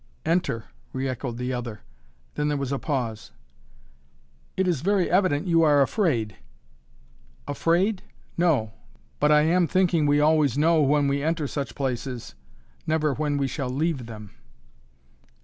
"Enter," re echoed the other. Then there was a pause. "It is very evident, you are afraid " "Afraid? No but I am thinking we always know when we enter such places never when we shall leave them."